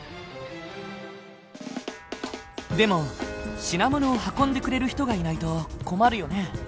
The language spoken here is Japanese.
でも品物を運んでくれる人がいないと困るよね。